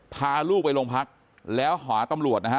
พาลูกไปโรงพักแล้วหาตำรวจนะฮะ